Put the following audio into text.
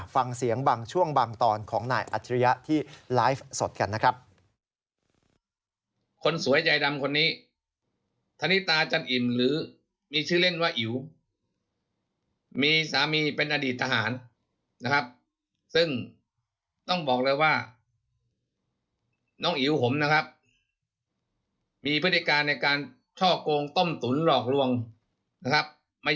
ฟังเสียงบางช่วงบางตอนของนายอัจฉริยะที่ไลฟ์สดกันนะครับ